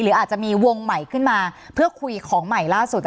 อาจจะมีวงใหม่ขึ้นมาเพื่อคุยของใหม่ล่าสุด